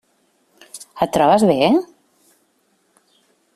Et trobes bé?